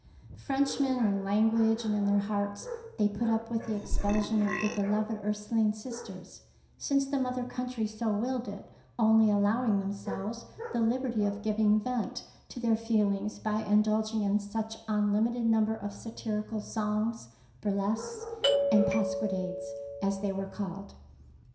Frenchmen in language and in their hearts, they put up with the expulsion of their beloved Ursuline sisters, since the mother country so willed it, only allowing themselves the liberty of giving vent to their feelings by indulg ing in an unlimited number of satirical songs, burlesques, and pasquinades, as they were called.